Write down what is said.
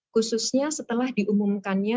khususnya setelah diumumkannya